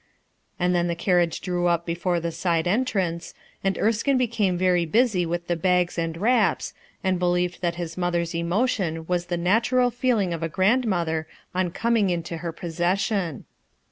And then the carriage drew up before the side en . trance, and Erekino became very busy with the bags and wraps, and believed that his mother's emotion was the natural feeling of a grand mother on coming into her possession.